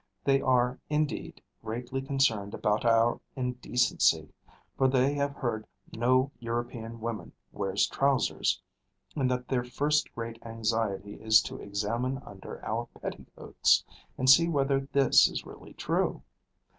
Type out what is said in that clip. They are, indeed, greatly concerned about our indecency; for they have heard no European woman wears trousers, and their first great anxiety is to examine under our petticoats, and see whether this is really true.